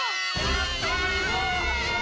やった！